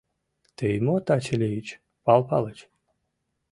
— Тый мо таче лийыч, Пал Палыч?